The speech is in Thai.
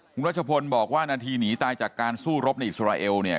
คุณรัชพลบอกว่านาทีหนีตายจากการสู้รบในอิสราเอลเนี่ย